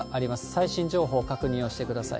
最新情報、確認をしてください。